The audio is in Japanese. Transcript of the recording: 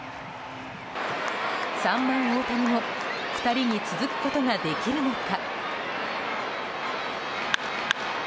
３番、大谷も２人に続くことができるのか。